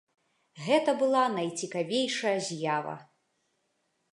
Гэта была найцікавейшая з'ява.